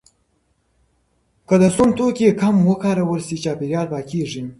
که د سون توکي کم وکارول شي، چاپیریال پاکېږي.